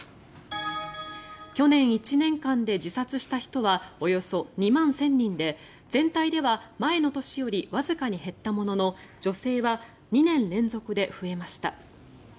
去年１年間で自殺した人はおよそ２万１０００人で全体では前の年よりわずかに減ったものの女性は２年連続で増えました。